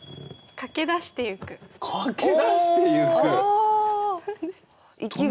「駆けだしてゆく」！？